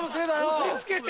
押し付けて。